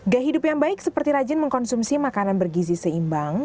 gaya hidup yang baik seperti rajin mengkonsumsi makanan bergizi seimbang